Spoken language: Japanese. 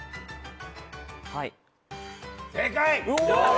正解。